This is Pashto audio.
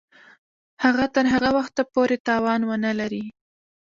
هغه تر هغه وخته پوري توان ونه لري.